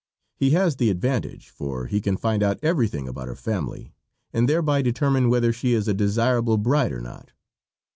He has the advantage, for he can find out everything about her family, and thereby determine whether she is a desirable bride or not.